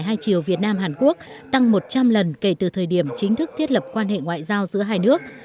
hai chiều việt nam hàn quốc tăng một trăm linh lần kể từ thời điểm chính thức thiết lập quan hệ ngoại giao giữa hai nước